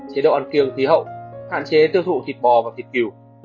chế độ ăn kiêng tí hậu hạn chế tiêu thụ thịt bò và thịt cừu